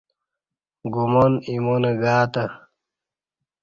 گمان ایمان گاتہ